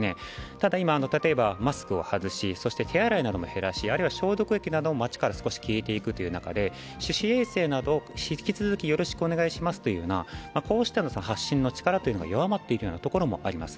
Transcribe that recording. ただ、今、例えばマスクを外し、それから手洗いなどを減らし、あるいは消毒液なども街から少し消えていくという中で、手指衛生など引き続きお願いしますというようなこうした発信の力も弱まっているところもあります。